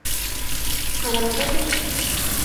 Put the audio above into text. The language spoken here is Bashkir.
Ҡараңғы бит.